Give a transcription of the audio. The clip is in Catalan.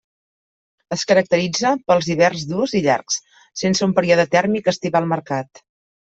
Es caracteritza pels hiverns durs i llargs, sense un període tèrmic estival marcat.